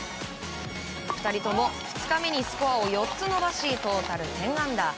２人とも２日目にスコアを４つ伸ばしトータル１０アンダー。